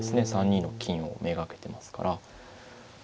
３二の金を目がけてますから。